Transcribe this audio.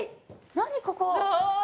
何ここ？